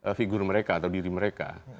jadi kan figur mereka atau diri mereka